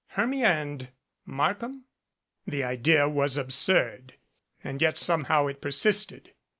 Hermia and Markham? The idea was absurd. And yet somehow it persisted.